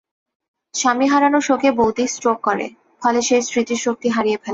স্বামী হারানোর শোকে বৌদি স্ট্রোক করে, ফলে সে স্মৃতিশক্তি হারিয়ে ফেলে।